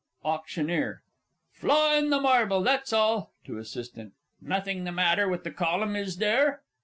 AUCT. Flaw in the marble, that's all. (To ASSIST.) Nothing the matter with the column, is there?